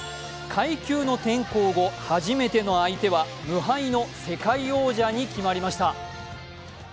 階級の転向後初めての相手は無敗の世界王者に決まりました。